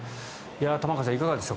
玉川さん、いかがでした？